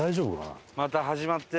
また始まったよ